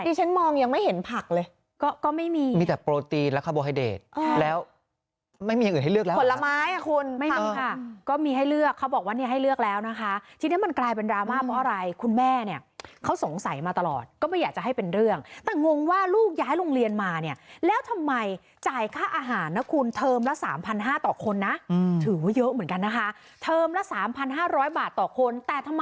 ดิฉันมองยังไม่เห็นผักเลยก็ก็ไม่มีมีแต่โปรตีนและคาร์โบไฮเดรตแล้วไม่มีอย่างอื่นให้เลือกแล้วผลไม้อ่ะคุณไม่มีค่ะก็มีให้เลือกเขาบอกว่านี้ให้เลือกแล้วนะคะทีนี้มันกลายเป็นดราม่าเพราะอะไรคุณแม่เนี้ยเขาสงสัยมาตลอดก็ไม่อยากจะให้เป็นเรื่องแต่งงว่าลูกย้ายโรงเรียนมาเนี้ยแล้วทำไมจ่ายค่าอาหารนะคุณ